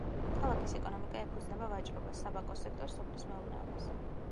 ქალაქის ეკონომიკა ეფუძნება ვაჭრობას, საბანკო სექტორს, სოფლის მეურნეობას.